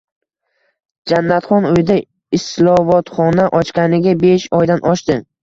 Jannatxon uyida islovotxona ochganiga besh oydan oshdi